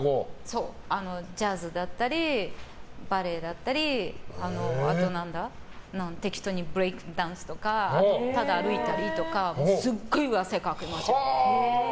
そう、ジャズだったりバレエだったり適当にブレークダンスとかただ歩いたりとかすごい汗かく。